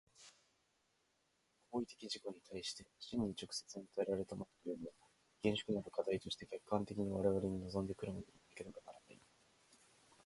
我々の行為的自己に対して真に直接に与えられたものというのは、厳粛なる課題として客観的に我々に臨んで来るものでなければならない。